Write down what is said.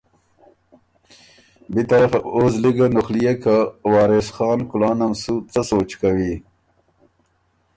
بی طرفه بو او زلی ګه نُخليېک که وارث خان کلانم سُو څۀ سوچ کوی۔